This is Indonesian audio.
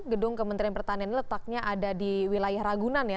gedung kementerian pertanian letaknya ada di wilayah ragunan ya